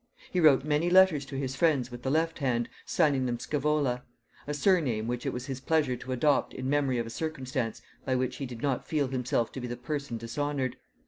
He wrote many letters to his friends with the left hand, signing them Scævola; a surname which it was his pleasure to adopt in memory of a circumstance by which he did not feel himself to be the person dishonored.